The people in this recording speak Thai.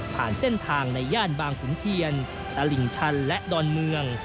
ผ่านเส้นทางในย่านบางขุนเทียนตลิ่งชันและดอนเมือง